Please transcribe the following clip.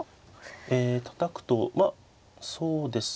えたたくとまあそうですね